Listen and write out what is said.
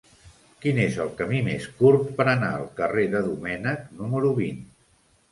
Quin és el camí més curt per anar al carrer de Domènech número vint?